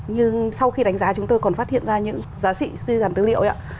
nhưng sau khi đánh giá chúng tôi còn phát hiện ra những giá trị suy giảm tư liệu ấy ạ